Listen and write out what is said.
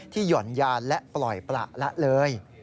หย่อนยานและปล่อยประละเลย